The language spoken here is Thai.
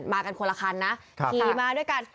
กันคนละคันนะขี่มาด้วยกัน